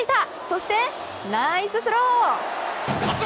そして、ナイススロー！